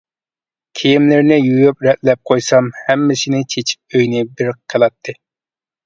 كىيىملىرىنى يۇيۇپ رەتلەپ قويسام ھەممىسىنى چېچىپ ئۆينى بىر قىلاتتى.